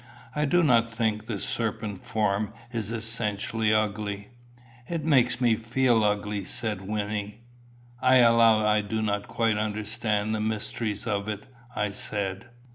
"I do not think the serpent form is essentially ugly." "It makes me feel ugly," said Wynnie. "I allow I do not quite understand the mystery of it," I said.